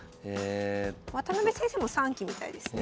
渡辺先生も３期みたいですね。